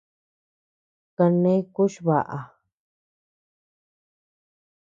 Kane kuch baʼa.